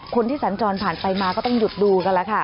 สัญจรผ่านไปมาก็ต้องหยุดดูกันแล้วค่ะ